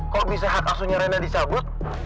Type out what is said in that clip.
kok bisa hak asunya rena dicabut